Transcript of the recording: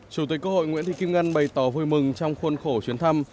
chủ tịch quốc hội nguyễn thị kim ngân bày tỏ vui mừng trong khuôn khổ chuyến thăm